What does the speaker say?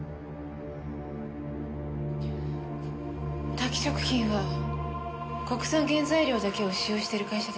タキ食品は国産原材料だけを使用している会社です。